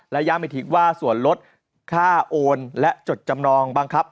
ระยะไม่ทิ้งว่าส่วนลดค่าโอนและจดจำนองบ้างครับ